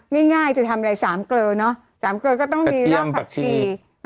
ง่ายจะทำอะไร๓เกลอเนอะ๓เกลือก็ต้องมีรากผักชี